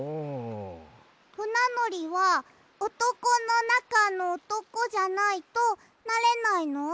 ふなのりはおとこのなかのおとこじゃないとなれないの？